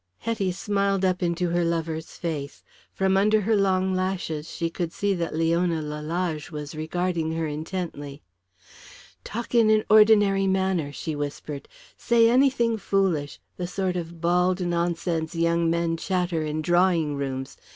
Hetty smiled up into her lover's face. From under her long lashes she could see that Leona Lalage was regarding her intently. "Talk in an ordinary manner," she whispered; "say anything foolish the sort of bald nonsense young men chatter in drawing rooms.